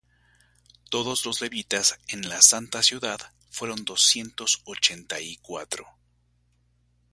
Todos los Levitas en la santa ciudad fueron doscientos ochenta y cuatro.